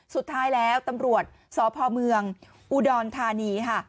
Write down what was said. สุดท้ายแล้วตำรวจสพเมืองอุดรธานีค่ะ